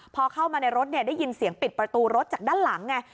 พอเข้ามาในรถได้ยินเสียงปิดประตูรถจากด้านหลังไง